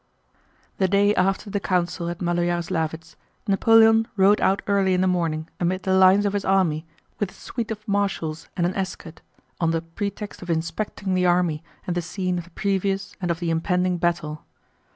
The day after the council at Málo Yaroslávets Napoleon rode out early in the morning amid the lines of his army with his suite of marshals and an escort, on the pretext of inspecting the army and the scene of the previous and of the impending battle.